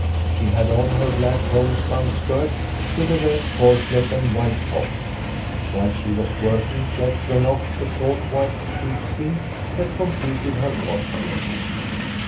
She had on her black homespun skirt with a red corslet and white top. Whilst she was working, she had thrown off the short white sheepskin that completed her costume.